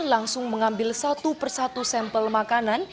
langsung mengambil satu persatu sampel makanan